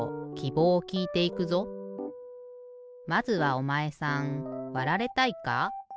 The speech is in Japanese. まずはおまえさんわられたいか？